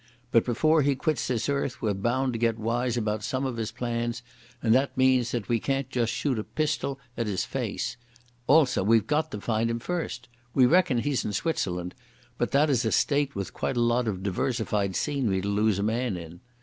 But before he quits this earth we're bound to get wise about some of his plans, and that means that we can't just shoot a pistol at his face. Also we've got to find him first. We reckon he's in Switzerland, but that is a state with quite a lot of diversified scenery to lose a man in....